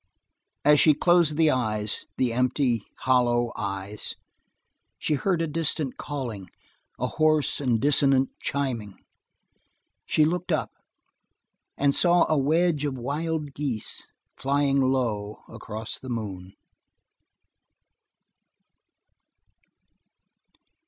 As she closed the eyes, the empty, hollow eyes, she heard a distant calling, a hoarse and dissonant chiming. She looked up and saw a wedge of wild geese flying low across the moon.